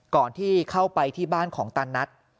ก่อนที่เข้าไปที่บ้านของตานัท